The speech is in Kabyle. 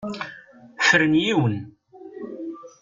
Fren yiwen.